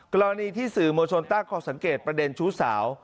กรณีที่สื่อมวลชนตั้งข้อสังเกตประเด็นชู้สาว